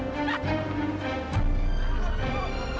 saya kan buru buru